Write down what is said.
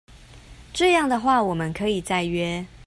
這樣的話我們可以再約